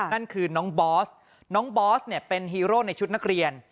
นั่นคือน้องบอสน้องบอสเนี่ยเป็นฮีโร่ในชุดนักเรียน